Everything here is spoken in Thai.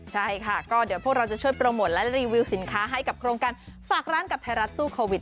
ใช่ค่ะก็เดี๋ยวพวกเราจะช่วยโปรโมทและรีวิวสินค้าให้กับโครงการฝากร้านกับไทยรัฐสู้โควิด